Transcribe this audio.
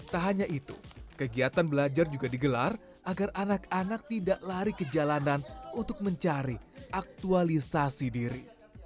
tak hanya itu kegiatan belajar juga digelar agar anak anak tidak lari ke jalanan untuk mencari aktualisasi diri